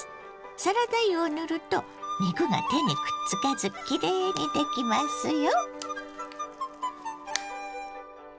サラダ油を塗ると肉が手にくっつかずきれいにできますよ。